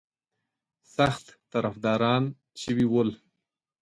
سخت طرفداران شوي ول.